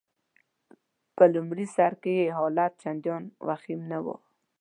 په لمړي سر کي يې حالت چنداني وخیم نه وو.